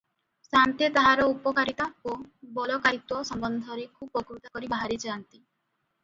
ସାଆନ୍ତେ ତାହାର ଉପକାରିତା ଓ ବଳକାରିତ୍ୱ ସମ୍ବନ୍ଧରେ ଖୁବ୍ ବକୃତା କରି ବାହାରିଯାନ୍ତି